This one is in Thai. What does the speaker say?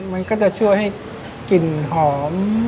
มันก็จะช่วยให้กลิ่นหอม